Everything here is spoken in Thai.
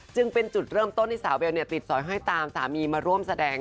จึงเป็นจุดเริ่มต้นที่สาวเบลติดสอยห้อยตามสามีมาร่วมแสดง